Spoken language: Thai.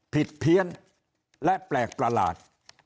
เพี้ยนและแปลกประหลาด